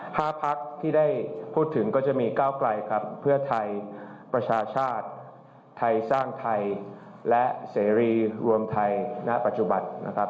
พักที่ได้พูดถึงก็จะมีก้าวไกลครับเพื่อไทยประชาชาติไทยสร้างไทยและเสรีรวมไทยณปัจจุบันนะครับ